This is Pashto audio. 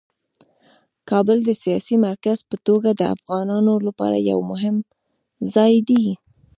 کابل د سیاسي مرکز په توګه د افغانانو لپاره یو مهم ځای دی.